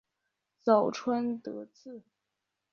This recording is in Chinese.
早川德次